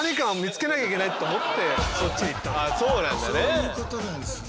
そういうことなんすね。